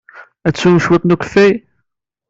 Ad teswem cwiṭ n ukeffay.